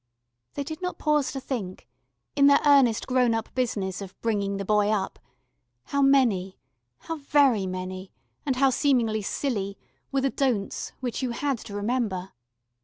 They did not pause to think, in their earnest grown up business of "bringing the boy up," how many, how very many, and how seemingly silly, were the "don'ts" which you had to remember.